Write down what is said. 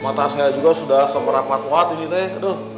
matanya juga sudah semerah merah kuat ini teh